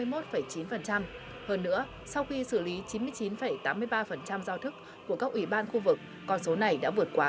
hơn nữa sau khi xử lý chín mươi chín tám mươi ba giao thức của các ủy ban khu vực con số này đã vượt qua sáu mươi bảy